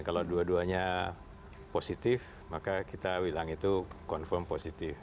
kalau dua duanya positif maka kita bilang itu confirm positif